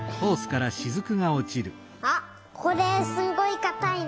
あっこれすんごいかたいな。